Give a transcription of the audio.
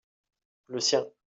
le sien.